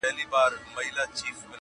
هغه ورځ چي نه لېوه نه قصابان وي٫